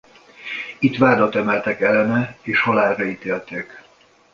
Itt vádat emeltek ellene és halálra ítélték.